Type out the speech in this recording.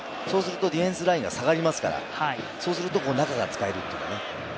そうするとディフェンスラインが下がりますから、中が使えるという。